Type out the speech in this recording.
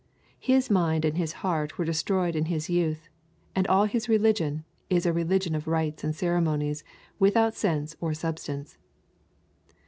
His mind and his heart were destroyed in his youth, and all his religion is a religion of rites and ceremonies without sense or substance.